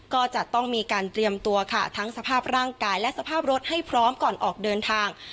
ก็จะต้องมีการเตรียมตัวค่ะทั้งสภาพร่างกายและสภาพรถให้พร้อมก่อนออกเดินทาง